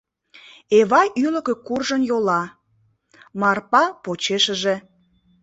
Эвай ӱлыкӧ куржын йола, Марпа — почешыже.